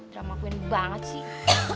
drama aku ini banget sih